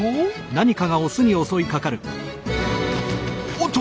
おっと！